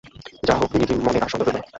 যাহা হউক, নিধির মনে আর সন্দেহ রহিল না।